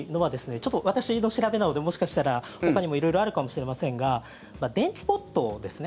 ちょっと私の調べなのでもしかしたら、ほかにも色々あるかもしれませんが電気ポットですね。